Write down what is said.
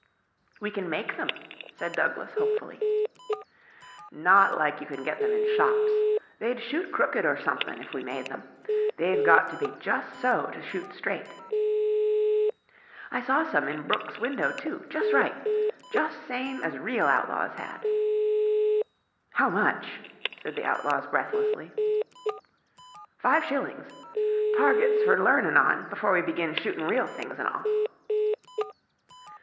"We can make them," said Douglas, hopefully. "Not like you can get them in shops. They'd shoot crooked or sumthin' if we made them. They've got to be jus' so to shoot straight. I saw some in Brook's window, too, jus' right jus' same as real outlaws had." "How much?" said the outlaws breathlessly. "Five shillings targets for learnin' on before we begin shootin' real things an' all."